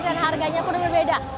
dan harganya pun berbeda